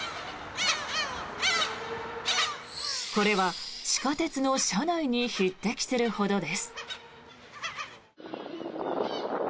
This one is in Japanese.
これは地下鉄の車内に匹敵するほどです。